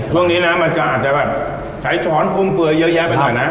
ช่วงนี้นะมันจะอาจจะแบบใช้ช้อนฟุ่มเฟือเยอะแยะไปหน่อยนะ